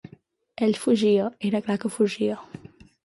Ell fugia, era clar que fugia.